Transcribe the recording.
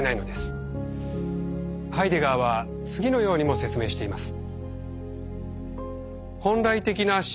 ハイデガーは次のようにも説明しています。